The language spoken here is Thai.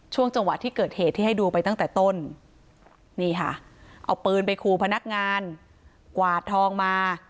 ช่วงจังหวะที่เกิดเหตุที่ให้ดูไปตั้งแต่ต้นนี่ค่ะเอาปืนไปขู่พนักงานกวาดทองมา